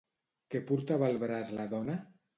Què portava al braç la dona?